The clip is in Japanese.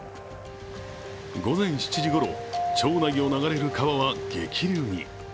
午前７時ごろ、町内を流れる川は激流に。